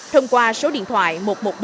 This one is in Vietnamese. thông qua số điện thoại một trăm một mươi bốn